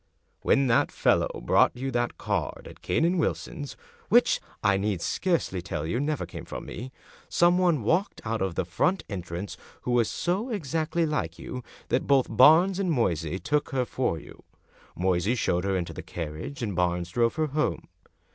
When that fellow brought you that card at Cane and Wilson's — which, I need scarcely tell you, never came from me — some one walked out of the front entrance who was so exactly like you that both Barnes and Moysey took her for you. Moysey showed her into the carriage, and Barnes drove her home.